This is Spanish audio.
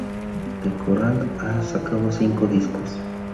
The Coral ha sacado cinco discos.